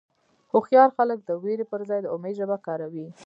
هوښیار خلک د وېرې پر ځای د امید ژبه کاروي.